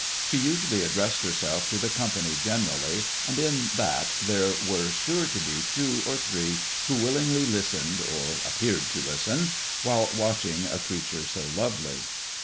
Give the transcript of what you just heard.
She usually addressed herself to the company generally, and in that there were sure to be two or three who willingly listened, or appeared to listen, while watch ing a creature so lovely.